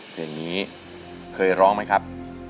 เพลงนี้เคยร้องไหมครับ